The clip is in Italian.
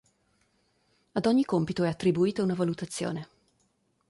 Ad ogni compito è attribuita una valutazione.